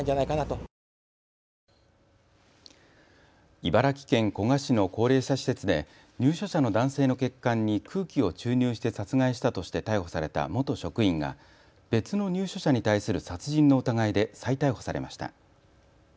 茨城県古河市の高齢者施設で入所者の男性の血管に空気を注入して殺害したとして逮捕された元職員が別の入所者に対する殺人の疑いで再逮捕されました。